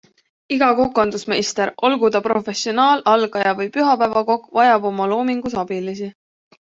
Iga kokandusmeister, olgu ta professionaal, algaja või pühapäevakokk, vajab oma loomingus abilisi.